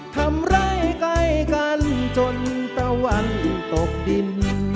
ทำไร่ใกล้กันจนตะวันตกดิน